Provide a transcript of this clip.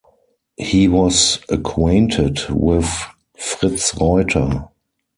He was acquainted with Fritz Reuter.